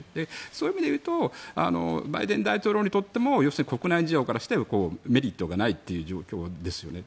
そういう意味でいうとバイデン大統領にとっても要するに国内事情からしてメリットがないという状況ですよね。